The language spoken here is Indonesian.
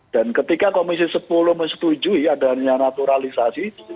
dan ketika komisi sepuluh menyetujui adanya naturalisasi